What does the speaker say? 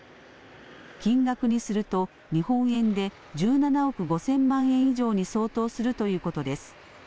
金額にすると、日本円で１７億５０００万円以上に相当するということです。